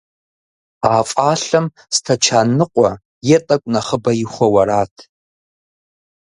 А фӀалъэм стэчан ныкъуэ е тӀэкӀу нэхъыбэ ихуэу арат.